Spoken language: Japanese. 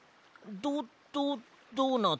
ドドドーナツ。